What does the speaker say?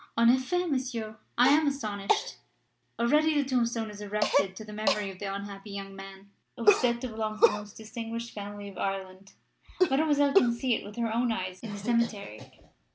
"En effet, Monsieur, I am astonished." "Already the tombstone is erected to the memory of the unhappy young man, who is said to belong to a most distinguished family of Ireland. Mademoiselle can see it with her own eyes in the cemetery."